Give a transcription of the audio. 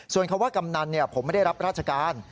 ส่วนคำว่ากำนันผมไม่ได้รับราชการ